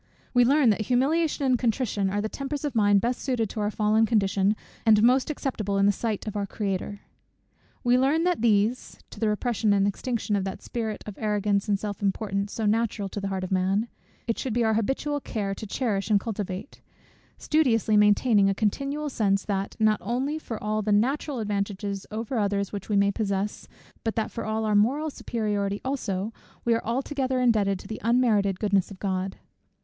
We learn that humiliation and contrition are the tempers of mind best suited to our fallen condition, and most acceptable in the sight of our Creator. We learn that these (to the repression and extinction of that spirit of arrogance and self importance, so natural to the heart of man) it should be our habitual care to cherish and cultivate; studiously maintaining a continual sense, that, not only for all the natural advantages over others which we may possess, but that for all our moral superiority also, we are altogether indebted to the unmerited goodness of God.